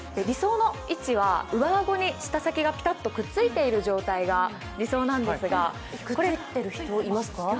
理想の位置は上顎に舌先がピタッとくっついている状態が理想なんですがくっついてる人、いますか？